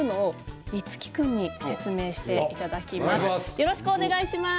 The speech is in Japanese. よろしくお願いします。